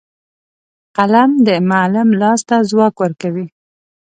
قلم د معلم لاس ته ځواک ورکوي